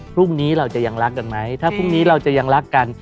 พรุ่งนี้เราจะยังรักกันไหมถ้าพรุ่งนี้เราจะยังรักกัน